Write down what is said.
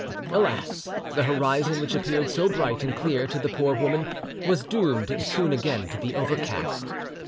Alas! the horizon which appeared so bright and clear to the poor woman was doomed soon again to be overcast.